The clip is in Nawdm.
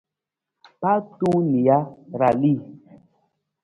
Paa tong nija, ra li.